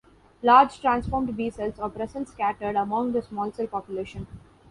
Large transformed B cells are present scattered among the small cell population.